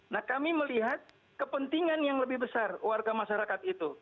nah kami melihat kepentingan yang lebih besar warga masyarakat itu